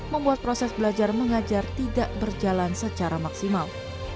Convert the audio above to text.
membuat proses belajar mengajar tidak berjalan secara maksimal